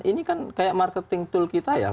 ini kan kayak marketing tool kita ya